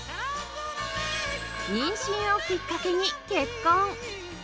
妊娠をきっかけに結婚